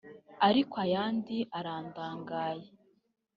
ariko ayandi arandagaye